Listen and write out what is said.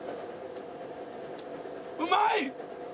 うまい！